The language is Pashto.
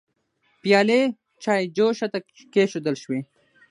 پيالې چايجوشه ته کيښودل شوې.